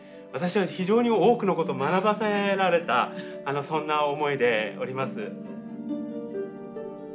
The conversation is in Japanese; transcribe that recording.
私は非常に多くのことを学ばせられたそんな思いでおります。